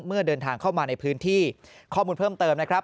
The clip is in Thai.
เดินทางเข้ามาในพื้นที่ข้อมูลเพิ่มเติมนะครับ